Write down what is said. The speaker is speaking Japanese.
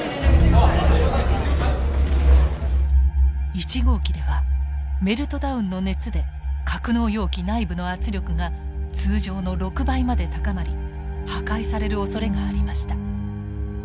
１号機ではメルトダウンの熱で格納容器内部の圧力が通常の６倍まで高まり破壊されるおそれがありました。